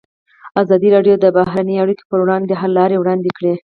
ازادي راډیو د بهرنۍ اړیکې پر وړاندې د حل لارې وړاندې کړي.